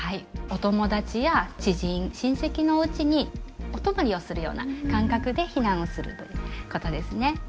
お友達や知人親戚のおうちにお泊まりをするような感覚で避難をするということですね。